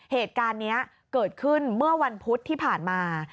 เหตุการณ์นี้เกิดขึ้นเมื่อวันพุธที่ผ่านมา